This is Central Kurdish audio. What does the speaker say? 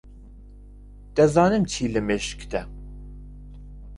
دەزانم چی لە مێشکتە.